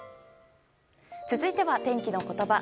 続いては、天気のことば。